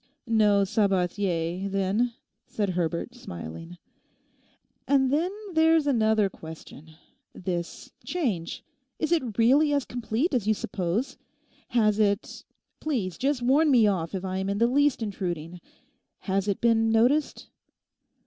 'No Sabathier, then?' said Herbert, smiling. 'And then there's another question—this change; is it really as complete as you suppose? Has it—please just warn me off if I am in the least intruding—has it been noticed?